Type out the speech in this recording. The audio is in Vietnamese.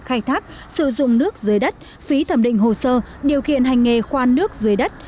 khai thác sử dụng nước dưới đất phí thẩm định hồ sơ điều kiện hành nghề khoan nước dưới đất